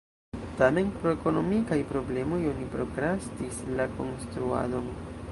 Tamen pro ekonomikaj problemoj oni prokrastis la konstruadon.